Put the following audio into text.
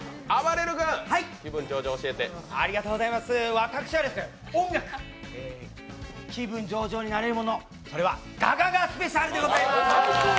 私は、音楽気分上々になれるものそれはガガガＳＰでございます。